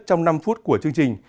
trong năm phút của chương trình